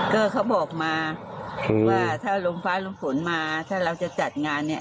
ก็เขาบอกมาว่าถ้าลมฟ้าลมฝนมาถ้าเราจะจัดงานเนี่ย